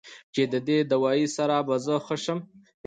چې د دې دوائي سره به زۀ ښۀ شم